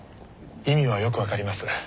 意味はよく分かります。